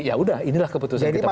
ya sudah inilah keputusan kita bersama